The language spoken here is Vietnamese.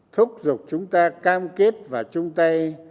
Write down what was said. thúc giục chúng ta cam kết và chung tay